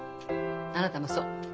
あなたもそう。